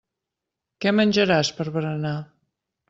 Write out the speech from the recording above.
Què menjaràs per berenar.